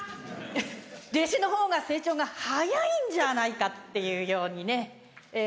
弟子の方が成長が早いんじゃないかっていうようにね思っております。